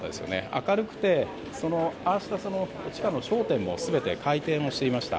明るくて、ああした地下の商店も全て開店していました。